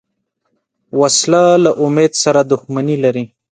وسله له امید سره دښمني لري